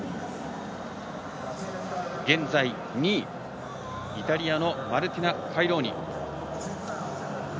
現在２位、イタリアのマルティナ・カイローニ。